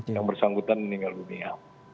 yang bersangkutan meninggal dunia